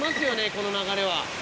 この流れは。